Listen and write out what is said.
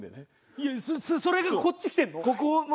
いやそれがこっちきてるの？